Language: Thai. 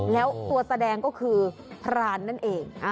แล้วตัวแสดงก็คือพรานนั่นเอง